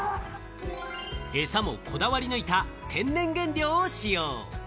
エサもこだわり抜いた、天然原料を使用。